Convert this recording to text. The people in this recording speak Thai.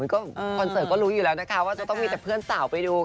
ก็คอนเสิร์ตก็รู้อยู่แล้วนะคะว่าจะต้องมีแต่เพื่อนสาวไปดู